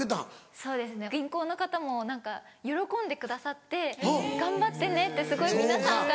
そうですね銀行の方も何か喜んでくださって「頑張ってね」ってすごい皆さんから。